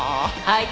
はい。